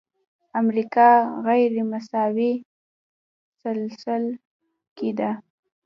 امریکا غیرمساوي ثلث کې ده.